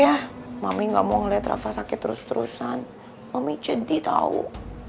rafa cepet sembuh ya mami gak mau liat rafa sakit terus terusan mami jadi tau